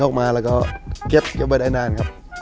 เข้ามาแล้วก็เก็บไปได้นานครับ